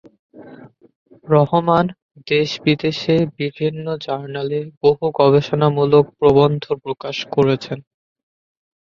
রহমান দেশ-বিদেশে বিভিন্ন জার্নালে বহু গবেষণামূলক প্রবন্ধ প্রকাশ করেছেন।